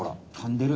でる。